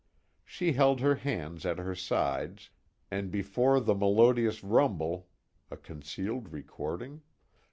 She held her hands at her sides, and before the melodious rumble (a concealed recording?)